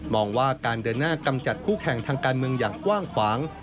ว่าการเดินหน้ากำจัดคู่แข่งทางการเมืองอย่างกว้างขวาง